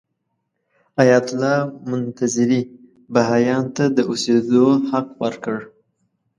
ایت الله منتظري بهايانو ته د اوسېدو حق ورکړ.